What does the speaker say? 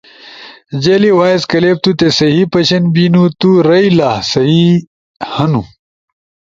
جیلی وائس کلپ تُوتے سہی پشن بینُو تُو رائیلا سہی ہینو۔